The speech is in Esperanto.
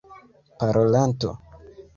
parolanto